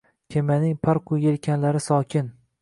Kemaning parqu yelkanlari sokin.